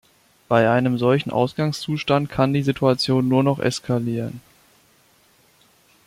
Bei einem solchen Ausgangszustand kann die Situation nur noch eskalieren.